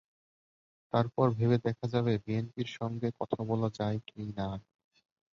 তারপর ভেবে দেখা যাবে বিএনপির সঙ্গে কথা বলা যায় কি না?